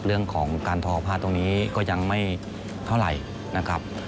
เรื่องของการทอผ้าตรงนี้ก็ยังไม่เท่าไหร่นะครับ